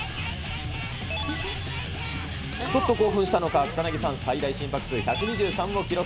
ちょっと興奮したのか、草薙さん、最大心拍数１２３を記録。